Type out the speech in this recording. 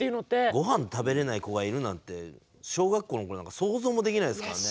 御飯食べれない子がいるなんて小学校の頃なんか想像もできないですからね。